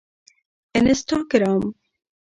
انسټاګرام